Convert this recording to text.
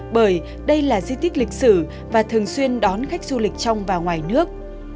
bởi đây là di tích lịch sử và thường xuyên đón khách du lịch trong và ngoài nước